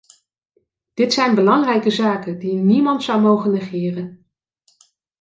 Dit zijn belangrijke zaken, die niemand zou mogen negeren.